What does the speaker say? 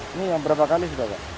ini yang berapa kali sudah pak